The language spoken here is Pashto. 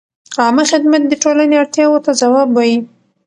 عامه خدمت د ټولنې اړتیاوو ته ځواب وايي.